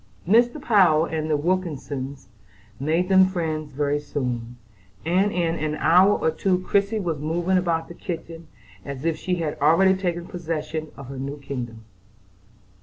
Mr. Power and the Wilkinses made them friends very soon; and in an hour or two Christie was moving about the kitchen as if she had already taken possession of her new kingdom.